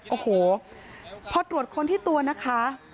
โอ้โหพอตรวจค้นที่ตัวนะคะ